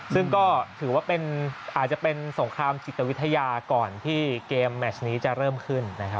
ซึ่งก็ถือว่าอาจจะเป็นสงครามจิตวิทยาก่อนที่เกมแมชนี้จะเริ่มขึ้นนะครับ